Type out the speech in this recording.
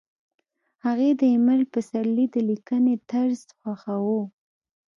هغې د ایمل پسرلي د لیکنې طرز خوښاوه